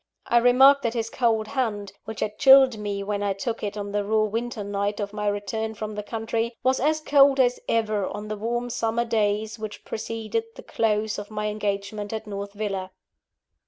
I remarked that his cold hand, which had chilled me when I took it on the raw winter night of my return from the country, was as cold as ever, on the warm summer days which preceded the close of my engagement at North Villa.